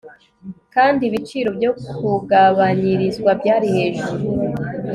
kandi ibiciro byo kugabanyirizwa byari hejuru